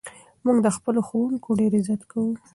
موږ د خپلو ښوونکو ډېر عزت کوو.